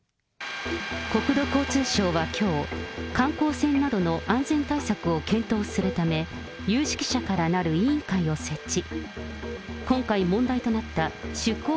国土交通省はきょう、観光船などの安全対策を検討するため、有識者からなる委員会を設置。